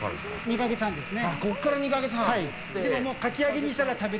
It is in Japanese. ２か月半ですね。